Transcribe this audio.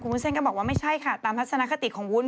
วุ้นเส้นก็บอกว่าไม่ใช่ค่ะตามทัศนคติของวุ้น